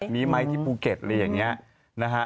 มีไหมที่ภูเก็ตอะไรอย่างนี้นะฮะ